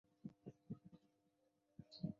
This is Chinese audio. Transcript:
马泰绍尔考。